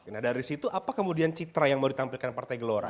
nah dari situ apa kemudian citra yang mau ditampilkan partai gelora